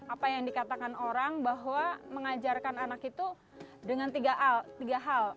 apa yang dikatakan orang bahwa mengajarkan anak itu dengan tiga hal